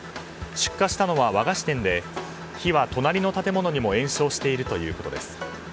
出火したのは和菓子店で火は隣の建物にも延焼しているということです。